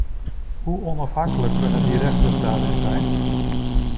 Hoe onafhankelijk kunnen die rechters daarin zijn?